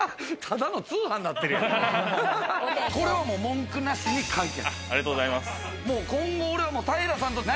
これは文句なしに解決！